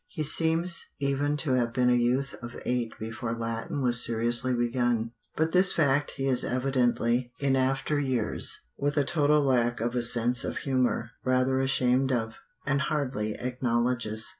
He seems even to have been a youth of eight before Latin was seriously begun; but this fact he is evidently, in after years, with a total lack of a sense of humour, rather ashamed of, and hardly acknowledges.